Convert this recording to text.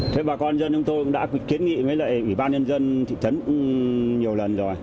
thế bà con dân chúng tôi cũng đã kiến nghị với lại ủy ban nhân dân thị trấn nhiều lần rồi